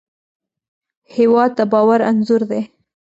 هېواد د باور انځور دی.